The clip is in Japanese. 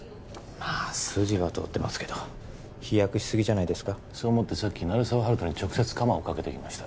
まあ筋は通ってますけど飛躍しすぎじゃないですかそう思ってさっき鳴沢温人に直接カマをかけてきました